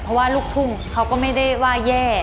เพราะว่าลูกทุ่งเขาก็ไม่ได้ว่าแย่